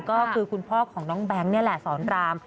ก็คือคุณพ่อของน้องแบงค์สอนราม